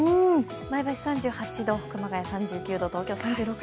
前橋３８度、熊谷３９度、東京３６度。